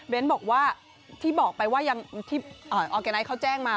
บอกว่าที่บอกไปว่าอย่างที่ออร์แกไนท์เขาแจ้งมา